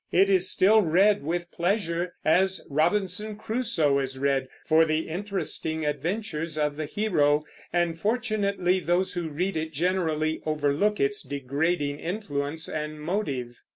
It is still read with pleasure, as Robinson Crusoe is read, for the interesting adventures of the hero; and fortunately those who read it generally overlook its degrading influence and motive.